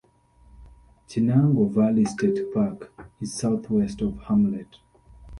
Chenango Valley State Park is southwest of the hamlet.